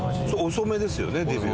遅めですよねデビュー。